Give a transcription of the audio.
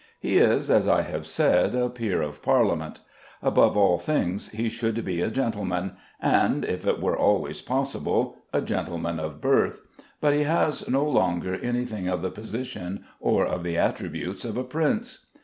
He is, as I have said, a peer of Parliament. Above all things, he should be a gentleman, and, if it were always possible, a gentleman of birth; but he has no longer anything of the position or of the attributes of a prince.